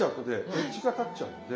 エッジが立っちゃうんで。